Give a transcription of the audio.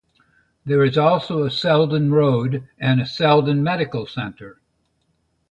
There is also a Selden Road and a Selden medical centre.